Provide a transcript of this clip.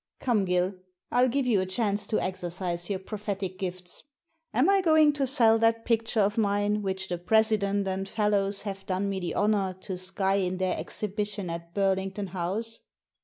"Come, Gill, I'll give you a chance to exercise your prophetic gifts. Am I going to sell that picture of mine which the President and Fellows have done me the honour to sky in their exhibition at Burling ton House?"